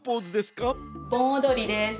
ぼんおどりです。